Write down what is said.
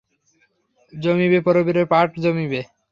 জমিবে, প্রবীরের পার্ট জমিবে।